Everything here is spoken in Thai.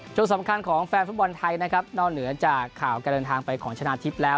สำคัญของแฟนฟุตบอลไทยนะครับนอกเหนือจากข่าวการเดินทางไปของชนะทิพย์แล้ว